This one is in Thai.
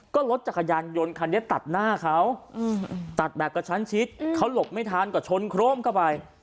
ก็รถจักรยานยนต์คันนี้ตัดหน้าเขาตัดแบบกระชั้นชิดเขาหลบไม่ทันก็ชนโครมเข้าไป